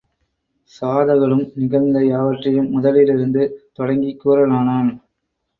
சாதகனும் நிகழ்ந்த யாவற்றையும் முதலிலிருந்து தொடங்கிக் கூறலானான்.